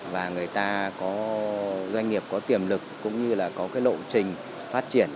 và người ta có doanh nghiệp có tiềm lực cũng như là có cái lộ trình phát triển